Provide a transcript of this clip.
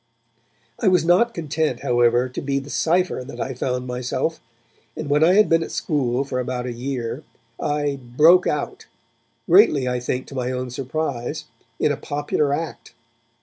I was not content, however, to be the cipher that I found myself, and when I had been at school for about a year, I 'broke out', greatly, I think, to my own surprise, in a popular act.